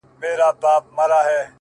لوړ دی ورگورمه؛ تر ټولو غرو پامير ښه دی؛